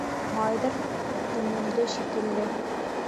Малайҙар төңөлдө шикелле.